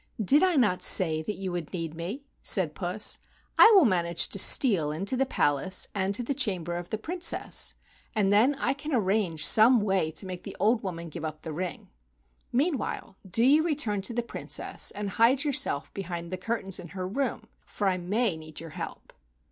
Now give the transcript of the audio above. "Did I not say you would need me?" said Puss. "I will manage to steal into the palace and to the chamber of the Princess, and then I can arrange some way to make the old woman 55 THE WONDERFUL RING give up the ring. Meanwhile do you return to the Princess and hide yourself behind the curtains in her room, for I may need your help."